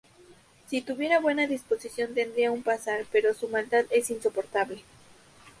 Si tuviera buena disposición, tendría un pasar, pero su maldad es insoportable".